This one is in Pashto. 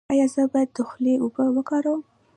ایا زه باید د خولې اوبه وکاروم؟